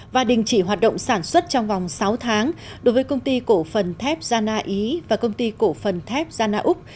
và đình chỉ hoạt động sản xuất trong vòng sáu tháng đối với công ty cổ phần thép giana ý và công ty cổ phần thép giana úc